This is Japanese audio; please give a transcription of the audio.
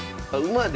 馬で。